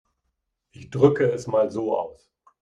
Ich drücke es mal so aus.